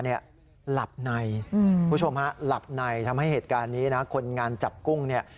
เนี่ยหลับในไว้ทำให้เหตุการณ์นี้เนี่ยนะคนงานจับกุ้งเนี่ย